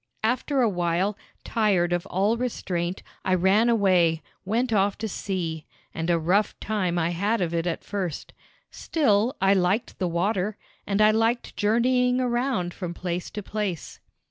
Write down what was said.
After a while, tired of all restraint, I ran away, went off to sea; and a rough time I had of it at first. Still I liked the water, and I liked journeying around from place to place.